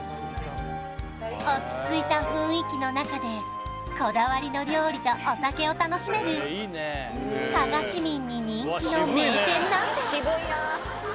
落ち着いた雰囲気の中でこだわりの料理とお酒を楽しめる加賀市民に人気の名店なんです